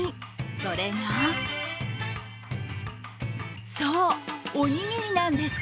それがそう、おにぎりなんです。